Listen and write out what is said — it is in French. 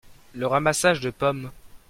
Le ramassage de pommes.